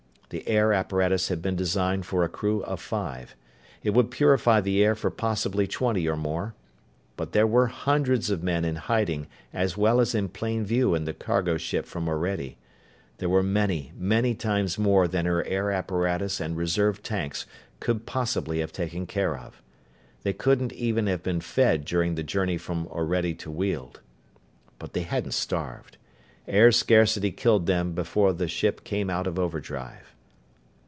The air apparatus had been designed for a crew of five. It would purify the air for possibly twenty or more. But there were hundreds of men in hiding as well as in plain view in the cargo ship from Orede. There were many, many times more than her air apparatus and reserve tanks could possibly have taken care of. They couldn't even have been fed during the journey from Orede to Weald. But they hadn't starved. Air scarcity killed them before the ship came out of overdrive.